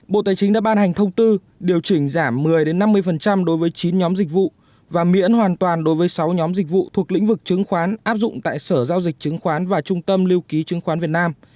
bộ tài chính đã ban hành thông tư điều chỉnh giảm một mươi năm mươi đối với chín nhóm dịch vụ và miễn hoàn toàn đối với sáu nhóm dịch vụ thuộc lĩnh vực chứng khoán áp dụng tại sở giao dịch chứng khoán và trung tâm lưu ký chứng khoán việt nam